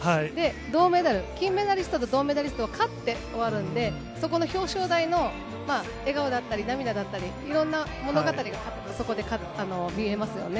銅メダル、金メダリストと銅メダリストは勝って終わるんで、そこの表彰台の笑顔だったり涙だったり、いろんな物語がそこで見えますよね。